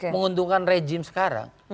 menguntungkan rejim sekarang